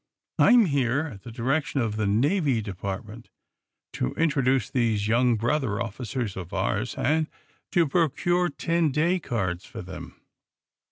I'm here, at the direction of the Navy Department, to introduce these young brother officers of ours, and to procure ten day cards for them."